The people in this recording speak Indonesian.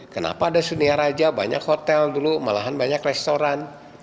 kenapa ada sunia raja banyak hotel dulu malahan banyak restoran